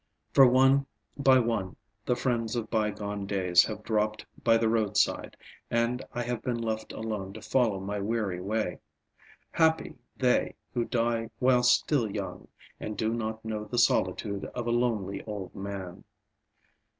For one by one the friends of bygone days have dropped by the roadside and I have been left alone to follow my weary way. Happy they who die while still young and do not know the solitude of a lonely old man.